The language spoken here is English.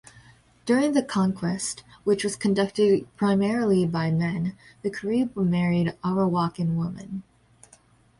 During the conquest, which was conducted primarily by men, the Carib married Arawakan women.